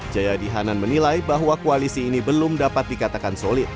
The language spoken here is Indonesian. jayadi hanan menilai bahwa koalisi ini belum dapat dikatakan solid